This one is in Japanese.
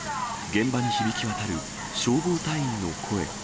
現場に響き渡る消防隊員の声。